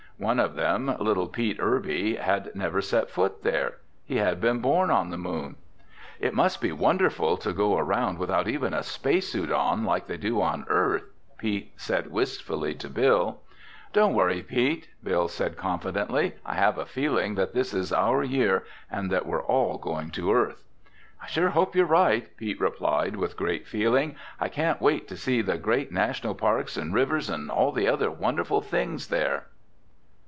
One of them, little Pete Irby, had never set foot there. He had been born on the Moon. "It must be wonderful to go around without even a space suit on like they do on Earth!" Pete said wistfully to Bill. "Don't worry, Pete," Bill said confidently. "I have a feeling that this is our year and that we're all going to Earth." "I sure hope you're right," Pete replied, with great feeling. "I can't wait to see the great national parks and rivers and all the other wonderful things there!"